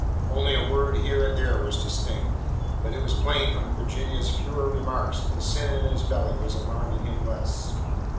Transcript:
Only a word here and there was distinct; but it was plain from the Virginian's fewer remarks that the sin in his belly was alarming him less.